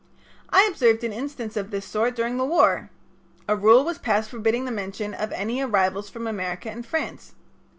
I observed an instance of this sort during the war. A rule was passed forbidding the mention of any arrivals from America in France.